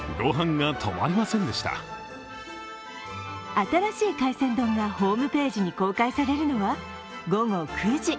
新しい海鮮丼がホームページに公開されるのは午後９時。